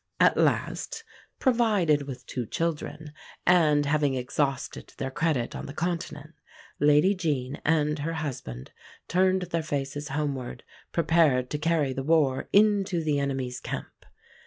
At last, provided with two children, and having exhausted their credit on the Continent, Lady Jean and her husband turned their faces homeward, prepared to carry the war into the enemy's camp.